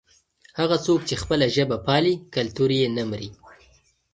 هغه څوک چې خپله ژبه پالي کلتور یې نه مري.